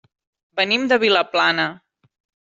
Venim de Vilaplana.